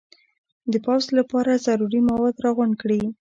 د پوځ لپاره ضروري مواد را غونډ کړي.